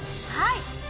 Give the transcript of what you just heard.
はい。